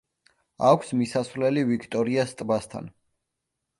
აქვს მისასვლელი ვიქტორიას ტბასთან.